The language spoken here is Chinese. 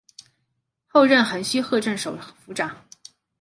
后任横须贺镇守府长。